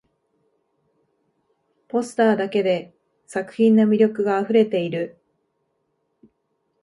ポスターだけで作品の魅力があふれている